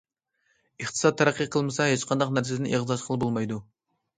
ئىقتىساد تەرەققىي قىلمىسا، ھېچقانداق نەرسىدىن ئېغىز ئاچقىلى بولمايدۇ.